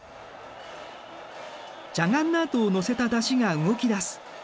ジャガンナートを乗せた山車が動きだす。